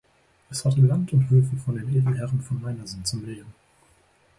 Es hatte Land und Höfe von den Edelherren von Meinersen zum Lehen.